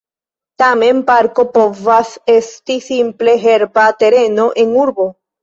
Tamen, parko povas esti simple herba tereno en urbo.